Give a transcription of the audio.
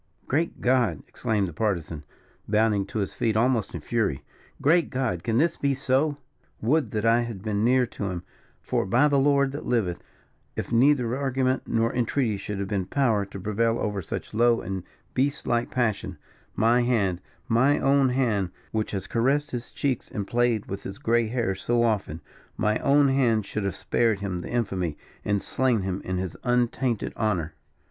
"Great God!" exclaimed the Partisan, bounding to his feet almost in fury; "great God! can this be so? Would that I had been near to him; for, by the Lord that liveth, if neither argument nor entreaty should have been power to prevail over such low and beast like passion, my hand my own hand, which has caressed his cheeks and played with his grey hairs so often my own hand should have spared him the infamy, and slain him in his untainted honour."